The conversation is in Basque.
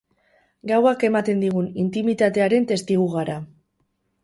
Gauak ematen digun intimitatearen testigu gara.